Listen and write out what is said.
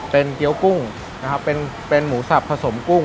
เป็นเกี้ยวกุ้งนะครับเป็นหมูสับผสมกุ้ง